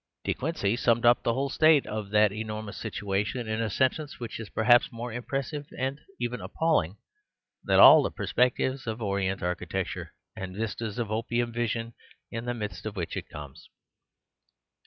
De Quincey summed up the whole of that enormous situa tion in a sentence which is perhaps more impressive and even appalling than all the perspectives of orient architecture and vistas 66 The Superstition of Divorce of opium vision in the midst of which it comes.